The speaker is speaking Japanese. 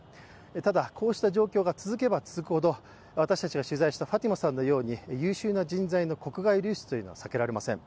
ただこうした状況が続けば続くほど私たちが取材したファティマさんのように優秀な人材の国外流出というのは避けられません。